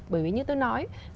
bởi vì như tôi nói